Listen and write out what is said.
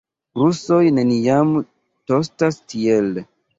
Rusoj neniam tostas tiel.